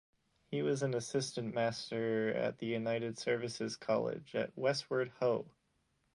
He was an assistant master at the United Services College at Westward Ho!